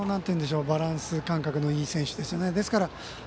非常にバランス感覚のいい選手ですね。